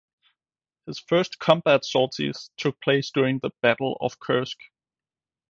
His first combat sorties took place during the Battle of Kursk.